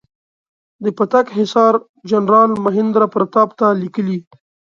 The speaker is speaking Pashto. د پتک حصار جنرال مهیندراپراتاپ ته لیکلي.